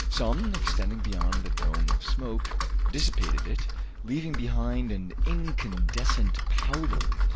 Some, extending beyond the dome of smoke, dissipated it, leaving behind an incandescent powder.